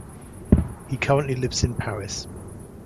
He currently lives in Paris.